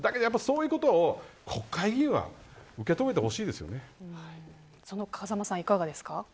だけど、そういうことを国会議員はその風間さん、いかがですか。